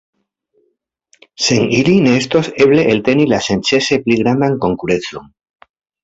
Sen ili ne estos eble elteni la senĉese pli grandan konkurencon.